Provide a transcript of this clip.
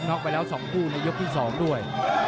็อกไปแล้ว๒คู่ในยกที่๒ด้วย